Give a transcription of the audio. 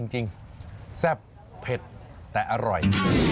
อร่อยจริงแซ่บเผ็ดแต่อร่อย